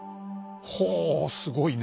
ほうすごいね！